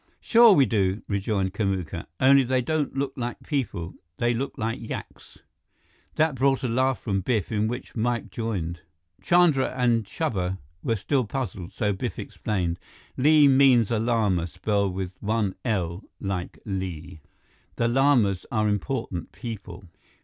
"Sure we do," rejoined Kamuka. "Only they don't look like people. They look like yaks." That brought a laugh from Biff, in which Mike joined. Chandra and Chuba were still puzzled, so Biff explained: "Li means a Lama, spelled with one 'L' like Li. The Lamas are important people.